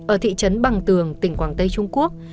ở thị trấn bằng tường tỉnh quảng tây trung quốc